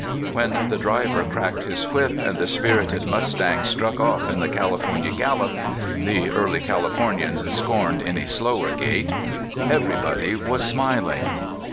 When the driver cracked his whip, and the spirited mustangs struck off in the CaHfornia gallop — the early Californians scorned any slower gait — everybody was smiling.